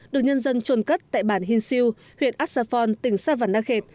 được nhân dân trôn cất tại bản hinsiu huyện asaphon tỉnh sa văn đa khệt